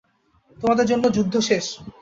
তোমাদের জন্য, যুদ্ধ শেষ।